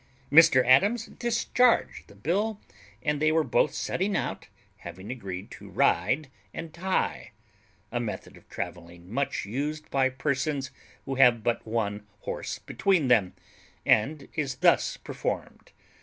Mr Adams discharged the bill, and they were both setting out, having agreed to ride and tie; a method of travelling much used by persons who have but one horse between them, and is thus performed.